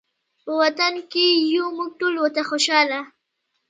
په وطن کې یو موږ ټول ورته خوشحاله